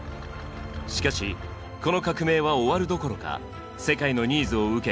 しかしこの革命は終わるどころか世界のニーズを受け